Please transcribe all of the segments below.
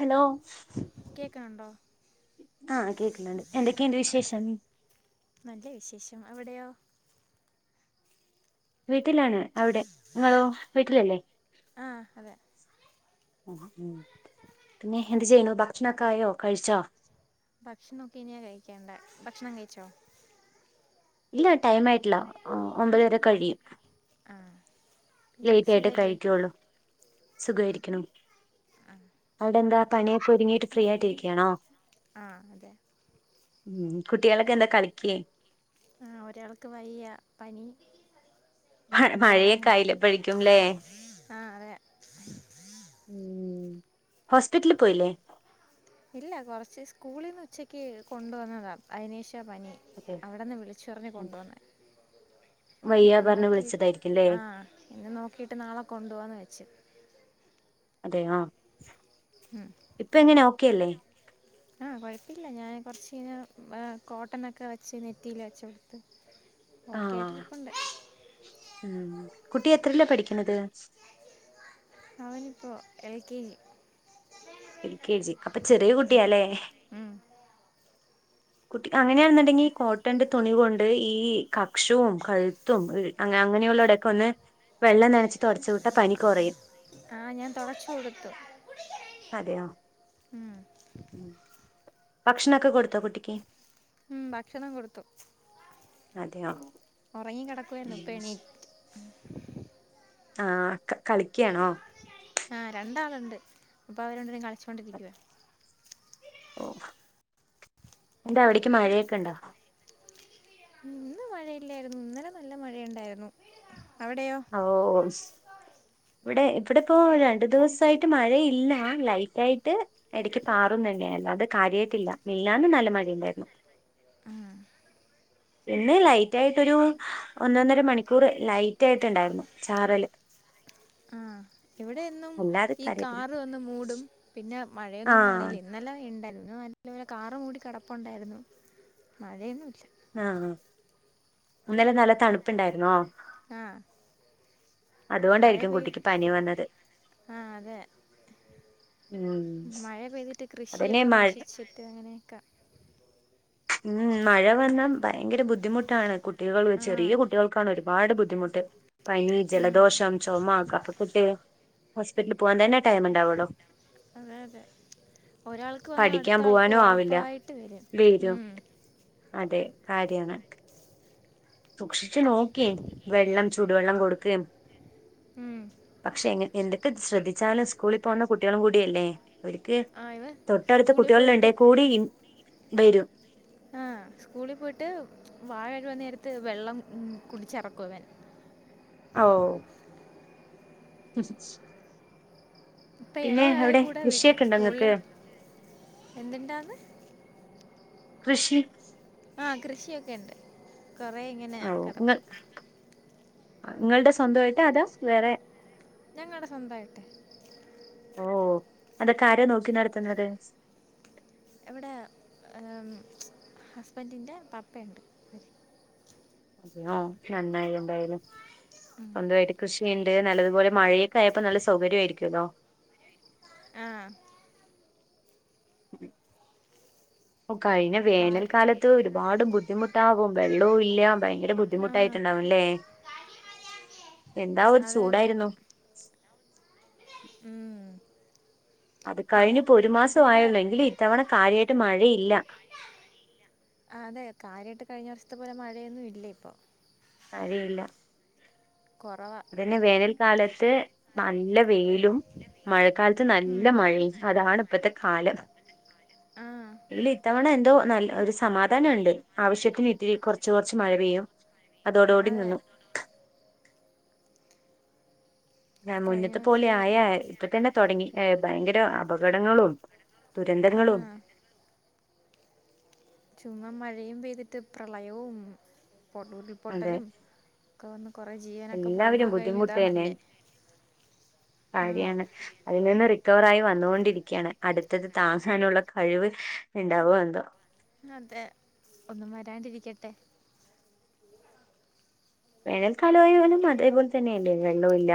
Hello കേൾക്കണുണ്ടോ ആഹ കേക്കുന്നുണ്ട് എന്തൊക്കെയുണ്ട് വിശേഷം അവിടെയോ വീട്ടിലാണ് അവിടെ നിങ്ങളോ വീട്ടിലല്ലേ ആഹ് അതെ ഉം പിന്നെ എന്ത് ചെയ്യുന്നു ഭക്ഷണൊക്കായോ കഴിച്ചോ ഭക്ഷണ ഒക്കെ ഇനി കഴിക്കണ്ട ഭക്ഷണം കഴിച്ചോ? ഇല്ല ടൈം ആയിട്ടില്ല ഒമ്പത് വരെ കഴിയും ആഹ് ലേറ്റ ആയിട്ട് കഴിക്കുള്ളു സുഖരിക്കുണു അവിടെ എന്താ പണിയൊക്കെ ഒരുങ്ങിയിട്ട് ഫ്രീ ആയിട്ടിരിക്കുകയാണോ ആഹ് അതെ ഉം കുട്ടികളൊക്കെ എന്താ കളിക്കേ ഒരാൾക്ക് വയ്യ പനി മ മഴയൊക്കെ ഒരാളങ്ങനെ ആയില്ല പഴിക്കുംല്ലേ ആ അതെ ഉം ഹോസ്പിറ്റലിൽ പോയില്ലേ ഇല്ല കുറച്ച് സ്കൂളിൽ നിന്ന് ഉച്ചക്ക് കൊണ്ടുവന്നതാണ് അതിനേഷം പനി അതെ. അവിടെന്ന് വിളിച്ചറിഞ്ഞു കൊണ്ടു വന്ന് വയ്യ ഇന്ന് പറഞ്ഞ് നോക്കിട്ട് വിളിച്ചതായിരിക്കുംല്ലേ ആഹ് ഇന്ന് നോക്കിട്ട് നാളെ കൊണ്ടു പോവാന്ന് വെച്ചു അതെയ ആ ഉം. ഇപ്പം എങ്ങനെ ഓക്കെല്ലേ ആ കുഴപ്പമില്ല ഞാൻ കുറച്ചന കോട്ടനൊക്കെ വെച്ച് നെറ്റിൽ വെച്ച് കൊടുത്ത് ഓക്കെ ആഹ് ആയിട്ടിരിപ്പുണ്ട് ഉം കുട്ടി എത്രല്ലേ പഠിക്കുന്നത് അവനിപ്പോ L K G L K G അപ്പൊ ചെറിയ കുട്ടിയാലേ ഉം കുട്ടി അങ്ങനെയാണെന്നുണ്ടെങ്കിൽ ഈ കോട്ടന്റെ തുണി കൊണ്ട് ഈ കക്ഷവും കഴുത്തും അങ്ങ അങ്ങനെയുള്ള ഇടെയൊക്കെ ഒന്ന് വെള്ളം നനച്ച് തുടച്ച വിട്ടാ പനി കുറയും ആഹ് ഞാൻ തുടച്ചു കൊടുത്തു അതെയോ ഉം ഭക്ഷണൊക്കെ കൊടുത്തോ കുട്ടിക്ക് ഉം ഭക്ഷണം കൊടുത്തു അതെയോ ഒറങ്ങി കെടക്കുവായിരുന്നു ഇപ്പ എണീറ്റ് ആഹ് ക്കക്ക കളിക്കാണോ ആ രണ്ടാളുണ്ട് ഇപ്പ അവരു രണ്ടുപേരും കളിച്ചൊണ്ടിരിക്കുവ ഓ നിന്റെ അവിടേക്ക് മഴയൊക്കെ ഇണ്ടോ ഇന്ന് മഴയില്ലായിരുന്നു ഇന്നലെ നല്ല മഴയുണ്ടായിരുന്നു അവിടെയോ ഓ [unintelligible] ഇവിടെ ഇവിടെ ഇപ്പോ രണ്ടു ദിവസായിട്ട് മഴയില്ല ലൈറ്റ് ആയിട്ട് ഇടക്ക് പാറുന്നുണ്ടാരുന്നു അത് കാര്യട്ടില്ല മില്ലാന്ന് നല്ല മഴ ഇണ്ടായിരുന്നു ആഹ് പിന്നെ ലൈറ്റ് ആയിട്ടൊരു ഒന്നൊന്നര മണിക്കൂർ ലൈറ്റ് ആയിട്ടുണ്ടായിരുന്നു ചാറല് ആ ഹ് ഇവിടെ എന്നും അല്ലാതെ ഈ കാര്യായിട്ടില്ല കാറല് ഒന്നും മൂടും പിന്നെ മഴയൊന്നും ആഹ് കാണില്ല ഇന്നലെ ഇണ്ടല്ലോ ലെ കാറും കൂടി കിടപ്പുണ്ടായിരുന്നു മഴ ഒന്നുയില്ല ആഹ് ആ ഇന്നലെ നല്ല തണുപ്പുണ്ടായിരുന്നോ ആ മഴ അതുകൊണ്ടായിരിക്കും പെയ് കുട്ടിക്ക് പനി വന്നത് ആ അതെ ഉം മഴ പെയ്തിട്ട് അതന്നെ കൃഷിയൊക്കെ മഴ നശിച്ചിട്ട് അങ്ങനെ [unintelligible] മ്മ് മഴ വന്നാ ഭയങ്കര ബുദ്ധിമുട്ടാണ് കുട്ടികള്ള് ആഹ് ചെറിയ കുട്ടികൾക്കാണ് എ ഒരുപാട് ബുദ്ധിമുട്ട് പനി ഉം ജലദോഷം ചുമ കഫകെട്ട് ഹോസ്പിറ്റലി പോവാൻ തന്നെ ടൈം ഇണ്ടാവൂള്ളോ അതെ അതെ ഒരാൾക്ക് വന്നാ പഠിക്കാൻ അടുത്ത ആൾക്ക് പോവാനും ആവില്ല ഒറപ്പായിട്ട് വരും മ്മ് അതെ കാര്യാണ് സൂക്ഷിച്ച് നോക്കി വെള്ളം ചൂടുവെള്ളം കൊടുക്കയും മ്മ് എന്തക്കെ ശ്രദ്ധിച്ചാലും സ്കൂളി പോന്ന കുട്ടികളും കൂടിയല്ലേ അവർക്ക് ആഹ് ഇവൻ തൊട്ടടുത്ത സ്കൂളിൽ പോയിട്ട് കുട്ടികളിലെണ്ടേ കൂടി വരും ആ സ്കൂളി പോയിട്ട് വാ കഴുവാൻ നേരത്ത് വെള്ളം കുടിച്ചെറുക്കും ഇവൻ ഔ [unintelligible] ഇപ്പ പിന്നെ ഇളയാളെ അവിടെ കൂടെ വി കൃഷിയൊക്കെ ഉണ്ടോ നിങ്ങൾക്ക് സ്കൂളില് എന്തിണ്ടാന്ന് കൃഷി ആ കൃഷിയൊക്കെ ഇണ്ട് കൊറെ ഇങ്ങനെ കെടക്കുവ നിങ്ങൾടെ സ്വന്തവായിട്ട് അതാ വേറെ ഞങ്ങൾടെ സ്വന്തായിട്ട് അതക്കെ ആരാ നോക്കി നടത്തുന്നത് എവിടെ ഹസ്ബന്റിന്റെ പപ്പയ്ണ്ട് [unintelligible] നന്നായി എന്തായാലും ഉം. സ്വന്തവായിട്ട് കൃഷിയ്ണ്ട് നല്ലതുപോലെ മഴയൊക്കെ ആയപ്പ നല്ല സൗകര്യയിരിക്കുവല്ലോ ആ കഴിഞ്ഞ പാട് വേനൽക്കാലത്ത് ഒരുപാട് ബു ബുദ്ധിമുട്ടാവും വെള്ളവും ഇല്ല ബയങ്കര ആ ബുദ്ധിമുട്ടായിട്ടുണ്ടാവൂല്ലേ എന്താ ഒരു അതെ അതെ ചൂടായിരുന്നു ഉം. അത് പിന്നെ കഴിഞ്ഞിപ്പ ഒരു ഇതിവിടെ മാസായുള് എങ്കിലും ഇത്തവണ കാര്യായിട്ട് മഴയില്ല അതെ കാര്യായിട്ട് കഴിഞ്ഞ വർഷത്തെ പോലെ മഴയൊന്നും ഇല്ല ഇപ്പൊ മഴയില്ല കുറവാ അതന്നെ വേനൽക്കാലത്ത് മാ നല്ല വെയിലും മഴക്കാലത്ത് നല്ല ഉം. മഴയും അതാണ് ഇപ്പത്തെ കാലം ആ ഇല്ല ഇത്തവണ എ അതോ നല്ല ഒരു സമാധാനുണ്ട് ആവശ്യത്തിനിത്തിരി കൊറച്ച് കൊറച്ച് മഴ പെയ്യും അതോടു ഉം, കൂടി അതെ നിന്നു കഴിഞ്ഞ മുന്നത്തെ പോലെ വർഷേ ആയാ ഇപ്പത്തന്നെ തൊടങ്ങി ഏ ബയങ്കര അപകടങ്ങളും ആ ദുരന്തങ്ങളും [unintelligible] മഴയും പെയ്തിട്ട് പ്രളയവും അതെ പൊട്ടലും ഒക്കെ വന്ന് കൊറെ ജീവനൊക്കെ എല്ലാവരും പോന്ന കഴിഞ്ഞ ബുദ്ധിമുട്ട് ഇതാ തന്നെ നല്ലേ ഉം. കാര്യാണ് അതിൽ നിന്ന് റിക്കവറായി വന്നൊണ്ടിരിക്കയാണ് അടുത്തത് താങ്ങാനുള്ള കഴിവ് ഇണ്ടാവോ എന്തോ അതെ ഒന്നും വരാണ്ടിരിക്കട്ടെ വേനൽക്കാലയ പോലും അതേപോലെ തന്നെയല്ലേ വെള്ളവും ഇല്ല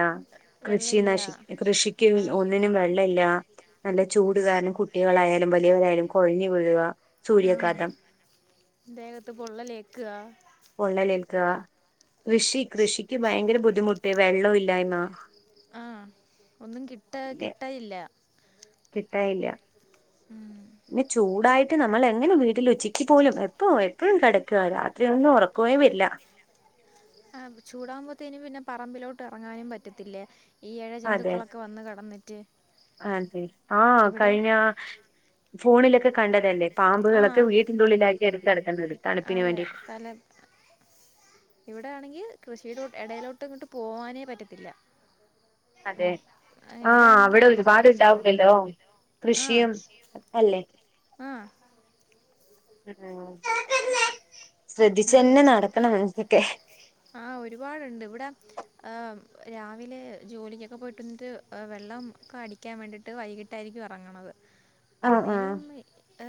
കൃഷി വെള്ളമില്ല നശി കൃഷിക്ക് ആഹ് ഒന്നിനും വെള്ളയില്ല നല്ല ചൂട് കാരണം കുട്ടികളായാലും വലിയവരായാലും കൊഴഞ്ഞ് വീഴുക ആ സൂര്യാഘാതം ദേകത്ത് പൊള്ളലേക്കുക പൊള്ളലേൽക്ക്ആ കൃഷി കൃഷിക്ക് ഭയങ്കര ബുദ്ധിമുട്ട് വെള്ളവില്ലായ്മ ആഹ് ഒന്നും കിട്ടാ കിട്ടായില്ല കിട്ടായില്ല്യ ഉം ഇനി ചൂടായിട്ട് മറ്റേ നമ്മളെങ്ങനെ വീട്ടിൽ ഉച്ചിക്ക് പോലും എപ്പോ എപ്പഴും കെടക്ക്ആ രാത്രിയൊന്നും ഉറക്കവേ വരില്ല [inaudible] [inaudible] ആഹ് ചൂടാവുമ്പത്തേന് പിന്നെ പറമ്പിലോട്ടെറങ്ങാനും പറ്റത്തില്ലേ അതെ ഈയെഴജന്തുക്കളൊക്കെ വന്ന് കെടന്നിട്ട് അതെ ആഹ് കഴിഞ്ഞ ഫോണിലൊക്കെ കണ്ടതല്ലേ പാമ്പുകളൊക്കെ ആഹ് വീട്ടിൻ്റുള്ളിലായി കേറി കെടക്ക് അതെ സ്ഥലം ഇവിടെയാണെങ്കി കൃഷിയിലോട്ട് എടയിലോട്ടിങ്ങട്ട് പോവാനേ പറ്റത്തില്ല അതെ മൊ ആഹ് ഇവിടെയാണെങ്കിൽ അവിടൊരുപാട് ഇണ്ടാവൂലല്ലോ ആഹ് കൃഷിയും അല്ലേ ആഹ് [unintelligible] ശ്രദ്ധിച്ചന്നെ നെറയെ നടക്കണം ഇതൊക്കെ ആഹ് ഒരുപാടുണ്ട് ഇവിടെ ആ രാവിലെ ജോലിക്കെക്ക പോയിട്ട് വന്നിട്ട് വെള്ളം ഒക്ക അടിക്കാൻ വേണ്ടിട്ട് വൈകിട്ടായിരിക്കും എറങ്ങണത് ആഹ് ആഹ് അന്നേരം അ്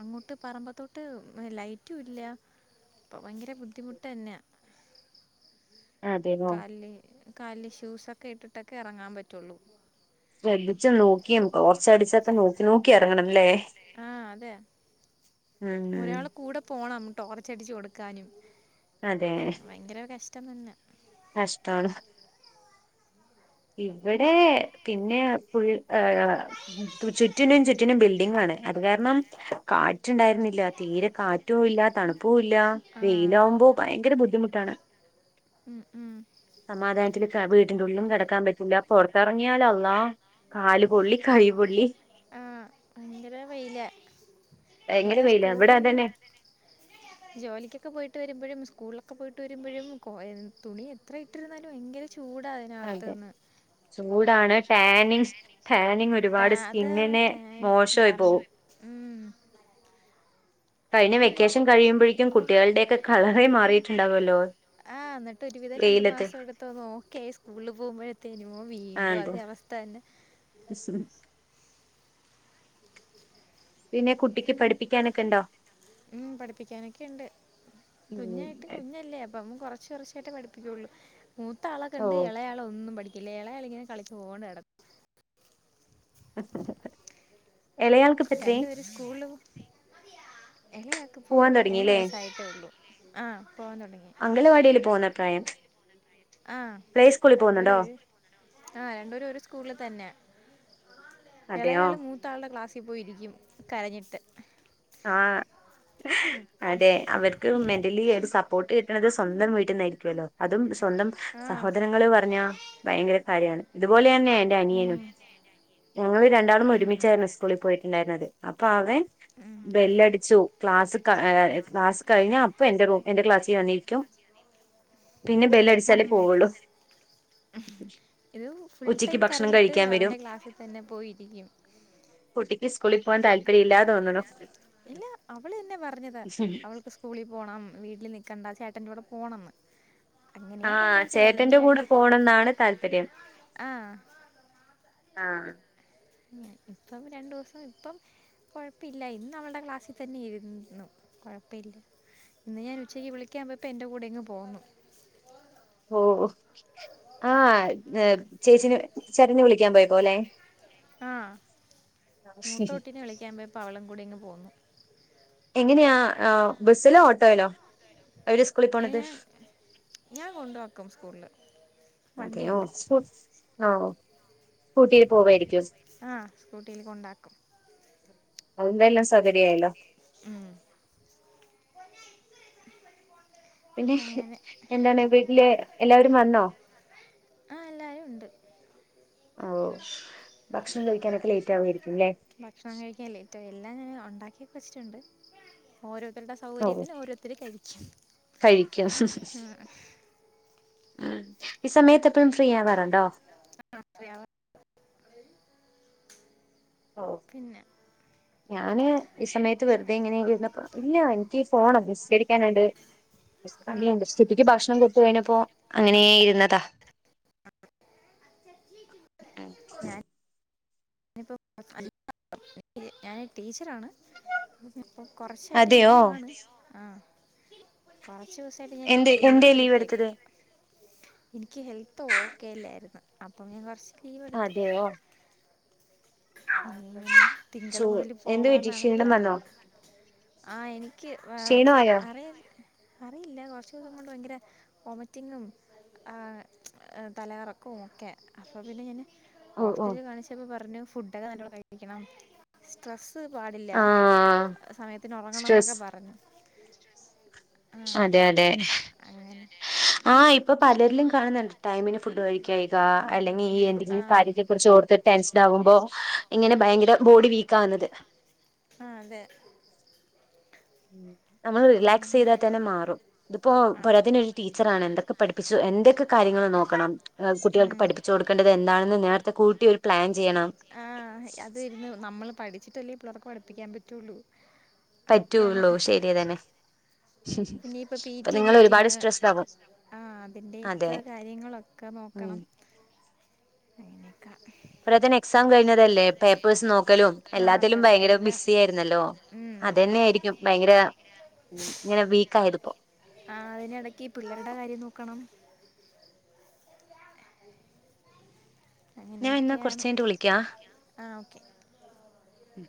അങ്ങോട്ട് പറമ്പത്തോട്ട് ലൈറ്റുവില്ല്യ അപ്പൊ ഭയങ്കര ബുദ്ധിമുട്ടന്നെയാ അതെയോ കാല്ല് കാല്ല് ഷൂസൊക്കെ ഇട്ടിട്ടൊക്കെ എറങ്ങാൻ പറ്റൊള്ളൂ ശ്രദ്ധിച്ച് നോക്കിയും ടോർച്ചടിച്ചക്ക നോക്കി നോക്കി എറങ്ങണംല്ലേ ഉം ഒരാള് കൂടെ പോണം ടോർച്ചടിച്ച് കൊടുക്കാനും അതേ റ്റമന്ന കഷ്ടാണ് ഇവിടേ പിന്നേ ഫുൾ ആഹ് തു ചുറ്റിനും ചുറ്റിനും ബിൽഡിംഗാണ് ണ് അത് കാരണം കാറ്റുണ്ടായിരുന്നില്ല തീരെ കാറ്റൂ ഇല്ലാ തണ്പ് പ്പൂല്ലാ ആ വെയിലാവുമ്പോ ഭയങ്കര ബുദ്ധിമുട്ടാണ് ഉം ഉം കാ വീട്ടിൻ്റുള്ളിലും കെടക്കാൻ പറ്റൂല പൊറത്തെറങ്ങിയാലല്ലാഹ് കാല് പൊള്ളി കൈ പൊള്ളി ആഹ് ഭയങ്കര വെയിലാ ഭയങ്കര ഇവിടെ വെയില ഇവിടെ സ്കൂളിലൊന്ന് അതന്നെ ജോലിക്കൊക്ക പോയിട്ട് വരുമ്പഴും സ് സ്കൂളിലൊക്ക പോയിട്ട് വരുമ്പഴും കോ എൻ തുണി എത്ര ഇട്ടിരുന്നാലും ഭയങ്കര ചൂ അതെ ചൂടാണ് ടാനിങ്സ് ടാ ടാനിങ്ങൊരുപാട് അത് സ്കിന്നെനെ ടാൻ മോശോയി ഡാമേ പോവും ഉം കഴിഞ്ഞ വെക്കേഷൻ കഴിയുമ്പഴേക്കും കുട്ടികളുടെയെക്ക കളറേ മാറിയിട്ടുണ്ടാവുവല്ലോ ആഹ് എന്നിട്ടൊരുവിധം രണ്ടു മാസം എടുത്തൊന്നോക്കെയായി സ്കൂളിൽ പോകുമ്പഴ് തേനുമോ ആ വീണ്ടു അതെ അതേ അവസ്ഥ തന്നെ പിന്നെ കുട്ടിക്ക് പഠിപ്പിക്കാനൊക്കെ ഇണ്ടോ ഉം പഠിപ്പിക്കാനൊക്കെയിണ്ട് ഉം കുഞ്ഞായിട്ട് കുഞ്ഞല്ലേ അപ്പം കൊറച്ച് ച്ച് കുറച്ചയായിട്ടേ പഠിപ്പിക്കുവൊള്ളൂ മൂത്താളെ ഓ കണ്ട് എളയാളൊന്നും പഠിക് ഇല്ലേ എളയാളിങ്ങനെ കളിച്ചോണ്ട് അടക്ക് ഇളയാൾക്ക് ഇപ്പ എത്രേ രണ്ടു പേര് സ്കൂള്ള് എളയാക്കിപ്പം പോവാൻ മൂന്ന് തുടങ്ങില്ലേ വയസ്സായിട്ടേ ഉള്ളൂ ആ അംഗലവാടീല് പോവുന്ന പ്രായം ആഹ് പ്ലേ സ്കൂളിൽ പോകുന്നുണ്ടോ രണ്ടുപേരുവൊര് ആഹ് രണ്ടുപേരു ഒരു സ്കൂള്ള് തന്നെയാ അതെയോ എളയാള് മൂത്താൾടെ ക്ലാസ്സീ പോയിരിക്കും കരഞ്ഞിട്ട് ആഹ് അതെ അവർക്ക് മെന്റലി ഒരു സപ്പോർട്ട് കിട്ട് ട്ട്ണത് സ്വന്തം വീട്ടിന്നായിരിക്കുവല്ലോ അതും സ്വന്തം ആഹ് സഹോദരങ്ങള് പറഞ്ഞാ ഭയങ്കര കാര്യാണ് ഇതുപോലേ െ എന്റെ ഉം അനിയനും ഞങ്ങൾ രണ്ടാളം ഉം ഉം ഒരുമിച്ചായിരുന്നു സ്കൂളിൽ പോയിട്ടുണ്ടായിരുന്നത് അപ്പൊ അവൻ ഉം ബെല്ലടിച്ചു ക്ലാസ് ക്ലാസ് കഴിഞ്ഞ അപ്പൊ എന്റെ റൂ എന്റെ ക്ലാസ് ചെയ വന്നിരിക്കും പിന്നെ ബല അടിച്ചാലേ ഉം പോവുള്ളൂ ഇത് ഫുൾ ഉച്ചയ്ക്ക് ടൈം ഭക്ഷണം കരഞ്ഞിട്ട് കഴിക്കാൻ വരും അവന്റെ ക്ലാസ്സിൽ തന്നെ പോയി് ഈ സ്കൂളിൽ പോവാൻ താല്പര്യമല്ലാന്ന്ോന്നണോ ഇല്ല അവള്ന്നെ പറഞ്ഞത് അവൾക്ക് സ്കൂളിൽ പോണം വീട്ടിൽ നിക്കണ്ട ചേട്ടന്റെറെ കൂടെ ഓണംെന്ന് ആഹ ചേട്ടന്റെ കൂടെ പോണംെന്നാണ് താല്പര്യം ആഹ് ആഹ ഇപ്പം രണ്ടു ദിവസം ഇപ്പം കൊഴപ്പില്ല ഇന്ന് നമ്മളുടെ ക്ലാസ്സിൽ തന്നെ ഇരുന്നു കുഴപ്പ ഇില്ല ഇന്ന് ഞാൻ ഉച്ചക്ക് വിളിക്കാൻ പോപ്പ എന്റെ കൂടെ ഇങ്ങ് പോന്നു ഓ ആ ചേച്ചന് ചരഞ്ഞു വിളിക്കാൻ പോയപ്പോലെ ആഹ മൂത്തോട്ടീെ വിളിക്കാ്പോപ്പ അവളം കൂടി ഇങ്ങ് പോന്നു എങ്ങനെയാ ബസ്സിലോ ഓട്ടോല്ലോ ഞാൻ ഞാൻ കൊണ്ട വക്കും സ്കൂളില് അതെയ ഓ ആഹ ആ സ്കൂട്ടിയില് കൊണ്ടാക്കും അന്തെല്ലാം സൗകര്യല്ലോ ഉ പിന്നെ എന്താണ് വീട്ടില് എല്ലാവരും വന്നോ ആ എല്ലരും ഉണ്ട് ഓ ഭക്ഷണം കഴിക്കാനൊക്കെ ലേറ്റ് ആവയിരിക്കല്ലേ ഒച്ചിട്ടുണ്ട് ഓരോ അവരുടെ ഓ സൗകര്യത്തിന് ഓരോരുത്തർ കഴിക്കും കഴിക്കും ഉം ഈ സമയത്ത് എപ്പോഴും ഫ്രീ ആൻ വരണ്ടോ ആ അ ഓ, പിന്നെ ഞാന് ഈ സമയത്ത് വെറുതെ ഇങ്ങനെരുന്നപ്പോ ഇല്ല എനിക്ക് ഫോണ നിസ്കരിക്കാനണ്ട് ആ ിയ സ്ഥിതിക്ക് ഭക്ഷണം കൊട്ടു കഴിഞ്ഞപ്പോൊ അങ്ങനെ ഇരുന്നതാ ആഹ ഞാനപ്പോ ഞാന് ടീച്ചറാണ് പ്പ കൊറച്ചായിട്ട് ചെയ്യ അതെയോ പോാണ് ആഹ ദിവസല്ല ഞാൻ എന്ത് എന്തേ ലീവ് എടുത്തേക്കും എടുത്തത് എനിക്ക് ഹെൽത്ത് ഓക്കേല്ലായിരുന്നു അപ്പം ഞാൻ കുറച്ച് ലീവ്െടുത്തു അതെയോ ഇനി തിങ്കൾ ചൂ മുതൽ എന്ത് പറ്റി പോവാന്നാണ് ക്ഷീണം പ്ലാൻ വന്നോ ആ എനിക്ക് എക്ക് ക്ഷീണമായോ അറ അറിയില്ല കുറച്ച് ദിവസം കൊണ്ട് ഭയങ്കര വോമിറ്റിങ്ങും തലയിറക്കുമ ഒക്കെ അപ്പോൾ പിന്നെ ഞാൻ ഓ ഓ ഹോസ്റ്റലിൽ കാണിച്ചപ്പോ പറഞ്ഞു ഫുഡക്കെ നല്ലോ കഴിക്കണം സ്ട്രെ പാടില്ല ആ സമയത്തിന് ഉറങ്ങണം സ്ട്രെസ് എന്നൊക്കെ പറഞ്ഞു ആഹ് അതെ അതെ അങ്ങനെ ആഹ ഇപ്പൊ പലരിലും ഇപ്പൊ കാണുന്നുണ്ട് ടൈമിന് ഫുഡ് കഴിയുക അല്ലെ ഈ എന്തെങ്കിലും കാര്യത്തെ കുുറിച്ച് ഓർത്ത് ടെൻഷൻ ആകുമ്പോ ഇങ്ങനെ ഭയങ്കര ബോഡി വീക്ക ആകുന്നത് ആഹ അതെ ഉം നമ്മള് റിലാക്സ് അങ്ങനെ ചെയ്താൽ തന്നെ മാറും ഇതിപ്പോൊ ആഹ് പരാത്തി ഒരു ടീച്ചർാണ് എന്തൊക്കെ പഠിപ്പിച്ചു എന്തൊക്കെ കാര്യ ൾ നോക്കണം കുട്ടികൾക്ക് ഉം പഠിപ്പിച്ചു കൊടുക്കേണ്ടത് എന്താണെന്ന് നേരത്തെ കൂട്ടി ഒരു പ്ലാൻ ചെയ്യണം ആ അത്രുരുന്നു നമ്മള് പഠിച്ചിട്ടല്ലേ ഇ പിളേതൊക്കെ പഠിപ്പിക്കാൻ പറ്റുള്ളു പറ്റൂുള്ളൂ ശരിയതന്നെ പിന്നെ അ നിങ്ങള് ഒരുപാട് സ്ട്രെസ് ആകും ആ അതെ അതിന്റെൊക്കെ കാര്യങ്ങളൊക്കെ ഉം നോക്കണം അങ്ങനക്ക [unintelligible] എക്സാം കഴിഞ്ഞതല്ലേ പേപ്പേഴ്സ് നോക്ക ക്കലും ആഹ് പേ എല്ലാത്തിലും ഭയങ്കര എല്ലാം ബിസ്സി ആയിരുന്നല്ലോ ഉം അത് തന്നെ ആായിരിക്കും ഭയങ്കര ഇങ്ങനെ വീക്ക് ആയത്പ്പോ ആ അതിനിടക്ക് പിള്ളേരുടെ കാര്യം നോക്കണം ഞാൻ ഇന്ന കുറച്ച അങ്ങനെയൊക്കെയാണ് കഴിഞ്ഞിട്ട് വിളിക്കാ ആഹ് ഓക്കെ മ്